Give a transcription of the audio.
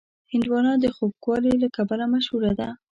هندوانه د خوږوالي له کبله مشهوره ده.